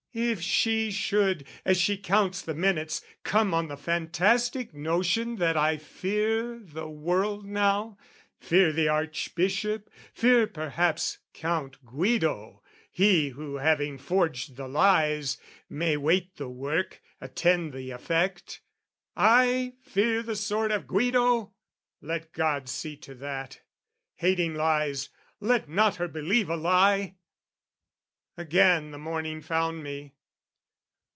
"If she should, as she counts the minutes, come "On the fantastic notion that I fear "The world now, fear the Archbishop, fear perhaps "Count Guido, he who, having forged the lies, "May wait the work, attend the effect, I fear "The sword of Guido! Let God see to that "Hating lies, let not her believe a lie!" Again the morning found me.